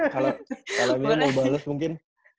kalau ini mau bales mungkin